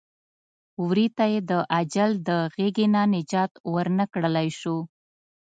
وري ته یې د اجل د غېږې نه نجات ور نه کړلی شو.